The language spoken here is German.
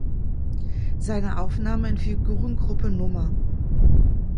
Seine Aufnahme in Figurengruppe Nr.